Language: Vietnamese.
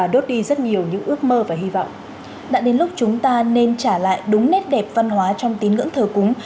điện ngưỡng thờ cúng